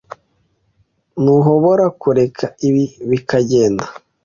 Ntuhobora kureka ibi bikagenda